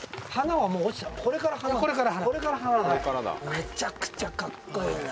めちゃくちゃかっこいいな。